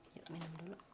yuk minum dulu